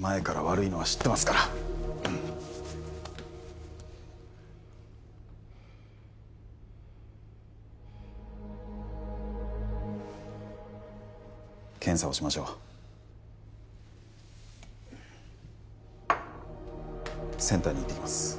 前から悪いのは知ってますから検査をしましょうセンターに行ってきます